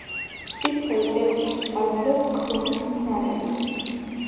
წითელ ელფერს აძლევს ქრომის მინარევი.